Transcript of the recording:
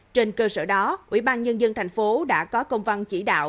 trên cơ sở đó ủy ban nhân dân thành phố đã có công văn chỉ đạo